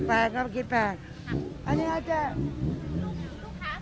แปลกครับคิดแปลกอันนี้อาจจะลูกค้าส่วนใหญ่เนี้ยอ่า